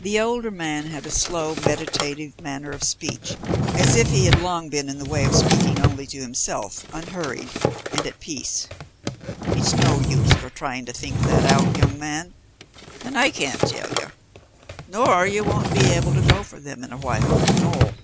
The older man had a slow, meditative manner of speech as if he had long been in the way of speaking only to himself, unhurried, and at peace. "It's no use your trying to think that out, young man, and I can't tell you. Nor you won't be able to go for them in a while. No."